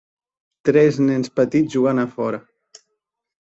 Tres nens petits juguen a fora.